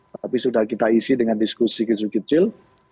tapi sudah kita isi dengan diskusi kecil